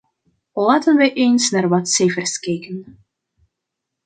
Laten we eens naar wat cijfers kijken.